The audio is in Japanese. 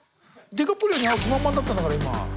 ディカプリオに会う気満々だったんだから今。